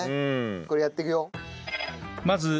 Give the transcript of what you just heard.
これやってくよ。